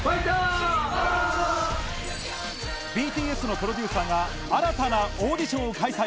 ＢＴＳのプロデューサーが新たなオーディションを開催。